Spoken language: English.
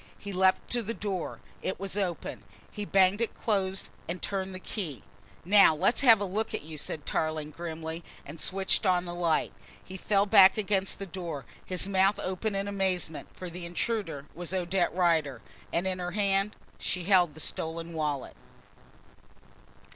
He leapt to the door, it was open. He banged it close and turned the key. "Now, let's have a look at you," said Tarling grimly and switched on the light. He fell back against the door, his mouth open in amazement, for the intruder was Odette Rider, and in her hand she held the stolen wallet.